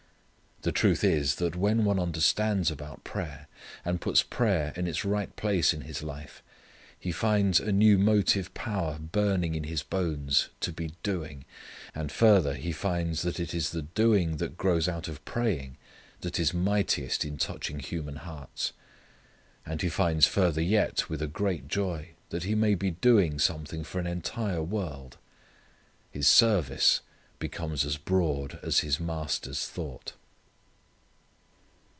The truth is that when one understands about prayer, and puts prayer in its right place in his life, he finds a new motive power burning in his bones to be doing; and further he finds that it is the doing that grows out of praying that is mightiest in touching human hearts. And he finds further yet with a great joy that he may be doing something for an entire world. His service becomes as broad as his Master's thought.